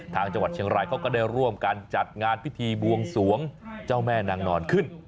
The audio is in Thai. จังหวัดเชียงรายเขาก็ได้ร่วมกันจัดงานพิธีบวงสวงเจ้าแม่นางนอนขึ้น